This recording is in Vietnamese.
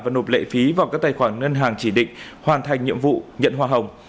và nộp lệ phí vào các tài khoản ngân hàng chỉ định hoàn thành nhiệm vụ nhận hoa hồng